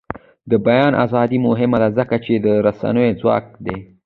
د بیان ازادي مهمه ده ځکه چې د رسنیو ځواک دی.